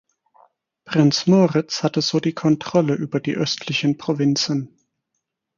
Prinz Moritz hatte so die Kontrolle über die östlichen Provinzen.